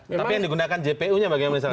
tapi yang digunakan jpu nya bagi yang menyerangnya